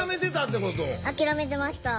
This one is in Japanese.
諦めてました。